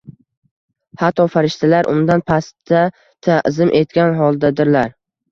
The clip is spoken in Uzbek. Hatto farishtalar undan pastda, ta'zim etgan holdadirlar.